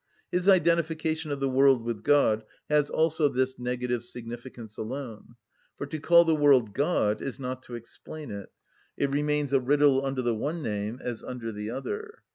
His identification of the world with God has also this negative significance alone. For to call the world God is not to explain it: it remains a riddle under the one name as under the other.